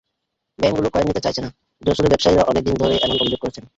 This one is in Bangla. ব্যাংকগুলো কয়েন নিতে চাইছে না—যশোরের ব্যবসায়ীরা অনেক দিন ধরেই এমন অভিযোগ করছেন।